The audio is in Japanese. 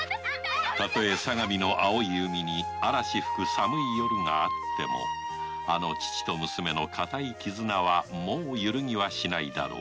たとえ相模の青い海にアラシ吹く寒い夜があっても父と娘の固いキズナはもうゆるぎはしないだろう